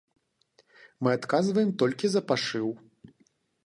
Мы адказваем толькі за пашыў.